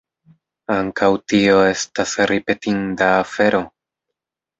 Ankaŭ tio estas ripetinda afero!